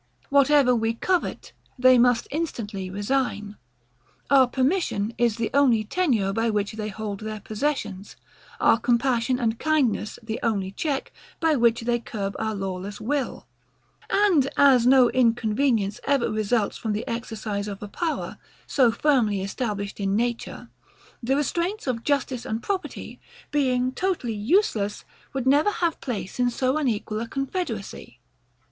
Whatever we covet, they must instantly resign: Our permission is the only tenure, by which they hold their possessions: Our compassion and kindness the only check, by which they curb our lawless will: And as no inconvenience ever results from the exercise of a power, so firmly established in nature, the restraints of justice and property, being totally USELESS, would never have place in so unequal a confederacy.